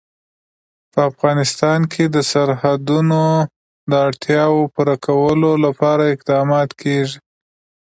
په افغانستان کې د سرحدونه د اړتیاوو پوره کولو لپاره اقدامات کېږي.